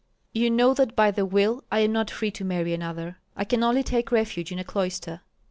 "You know that by the will I am not free to marry another. I can only take refuge in a cloister."